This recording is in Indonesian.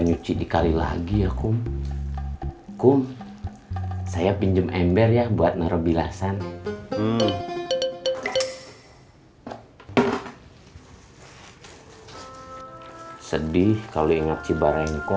nyuci dikali lagi ya kum kum saya pinjem ember ya buat naro bilasan sedih kalau ingat cibarengko